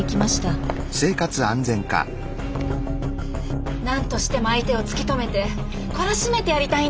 何としても相手を突き止めて懲らしめてやりたいんです。